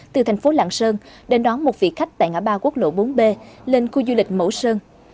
từ thành phố lạng sơn đến đón một vị khách tại ngã ba quốc lộ bốn b lên khu du lịch mẫu sơn